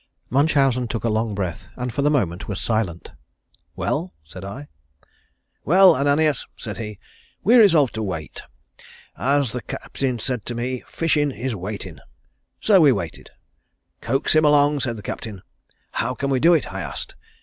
Munchausen took a long breath and for the moment was silent. "Well?" said I. "Well, Ananias," said he. "We resolved to wait. As the Captain said to me, 'Fishin' is waitin'.' So we waited. 'Coax him along,' said the Captain. 'How can we do it?' I asked.